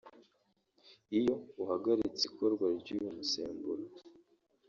Iyo uhagaritse ikorwa ry’uyu musemburo